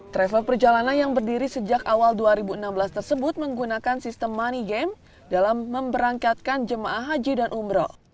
travel perjalanan yang berdiri sejak awal dua ribu enam belas tersebut menggunakan sistem money game dalam memberangkatkan jemaah haji dan umroh